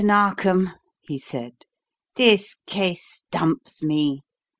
Narkom," he said, "this case stumps me.